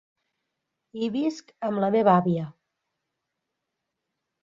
Hi visc amb la meva àvia.